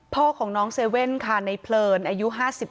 พ่อของน้องเซเว่นค่ะในเพลินอายุ๕๓